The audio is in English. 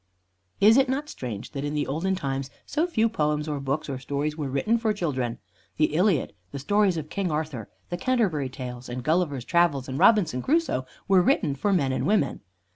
Is it not strange that in the olden times so few poems or books or stories were written for children? The "Iliad," the stories of King Arthur, the "Canterbury Tales," and "Gulliver's Travels" and "Robinson Crusoe," were written for men and women.